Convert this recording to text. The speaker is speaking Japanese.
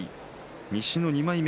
西の２枚目。